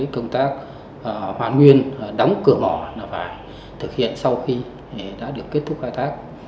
công tác hoàn nguyên đóng cửa mỏ phải thực hiện sau khi đã được kết thúc khai thác